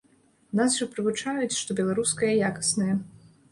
Нас жа прывучаюць, што беларускае якаснае.